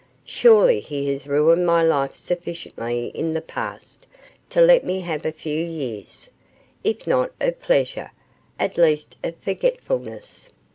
Surely he has ruined my life sufficiently in the past to let me have a few years, if not of pleasure, at least of forgetfulness.